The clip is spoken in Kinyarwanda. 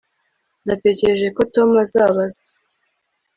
Natekereje ko Tom azabaza